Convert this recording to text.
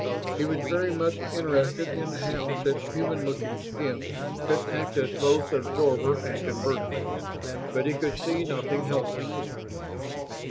He was very much interested in how such human looking skin could act as both absorber and converter, but he could see nothing helpful.